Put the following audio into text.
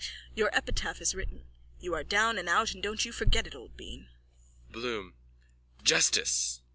Your epitaph is written. You are down and out and don't you forget it, old bean. BLOOM: Justice!